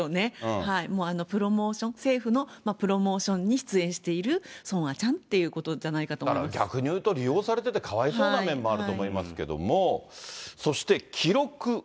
プロモーション、政府のプロモーションに出演しているソンアちゃんということじゃないかと思いまだから逆に言うと利用されてて、かわいそうな面もあると思いますけれども。